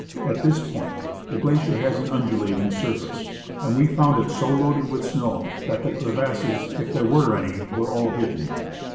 At this point the glacier has an undulat ing surface, and we found it so loaded with snow that the crevasses, if there were any, were all hidden.